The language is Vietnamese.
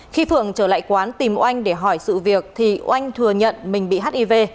khi phượng trở lại quán tìm oanh để hỏi sự việc thì oanh thừa nhận mình bị hiv